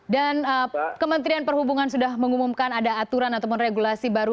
dan kementerian perhubungan sudah mengumumkan ada aturan atau regulasi baru